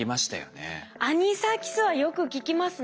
アニサキスはよく聞きますね。